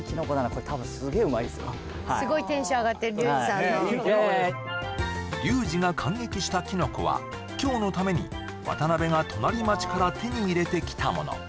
これ多分すごいテンション上がってるリュウジさんのリュウジが感激したキノコは今日のために渡辺が隣町から手に入れてきたもの